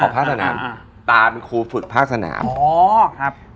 ตาเป็นครูฝึกภาคสนาม